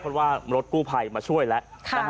เพราะว่ารถกู้ภัยมาช่วยแล้ว